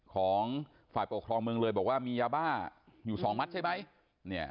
ของฝ่ายปกครองเมืองเลยบอกว่ามียาบ้าอยู่สองมัดใช่ไหมเนี่ย